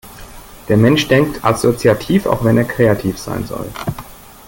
Der Mensch denkt assoziativ, auch wenn er kreativ sein soll.